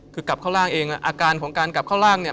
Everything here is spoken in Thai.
คือกลับเข้าร่างเองอาการของการกลับเข้าร่างเนี่ย